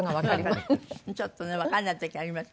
ちょっとねわかんない時あります。